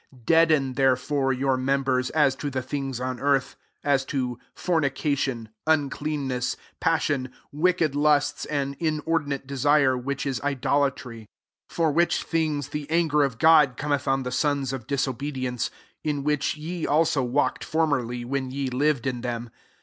5 Dbasbn therefore your member^ as to the things on earth ; aa to fornication, un cleanness, passion, wicked lusts, and inordinate desire, which is idolatry ; 6 for which things the anger of God cometh on the sons of disobedience : 7 in which ye also walked formerly, when ye lived in them.